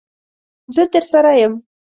زه درسره یم.